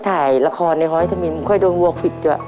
ถ่ายละครในฮอยตามินค่อยโดนวัลฟิกด้วย